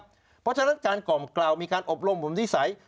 เพราะฉะนั้นการกล่อมกล่าวมีการอบรมผมนิสัย